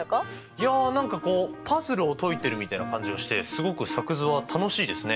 いや何かこうパズルを解いてるみたいな感じがしてすごく作図は楽しいですね！